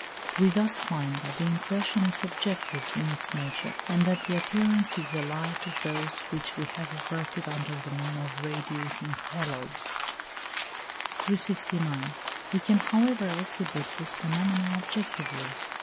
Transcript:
We thus find that the impression is subjective in its nature, and that the appearance is allied to those which we have adverted to under the name of radiating halos (100). 369. We can, however, exhibit this phenomenon objectively.